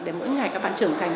để mỗi ngày các bạn trưởng thành